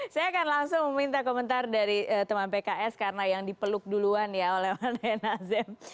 saya akan langsung meminta komentar dari teman pks karena yang dipeluk duluan ya oleh nasdem